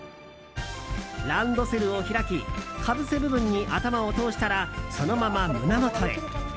ランドセルを開き、かぶせ部分に頭を通したらそのまま胸元へ。